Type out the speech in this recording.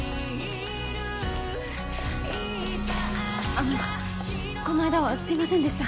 あのこの間はすいませんでした。